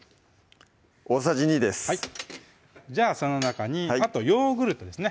大さじ２ですはいじゃあその中にあとヨーグルトですね